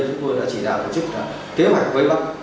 chúng tôi đã chỉ đoán tổ chức kế hoạch